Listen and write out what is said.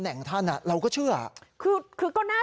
แล้วก็เรียกเพื่อนมาอีก๓ลำ